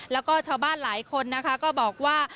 แล้วก็ชาวบ้านหลายคนนะคะก็บอกว่า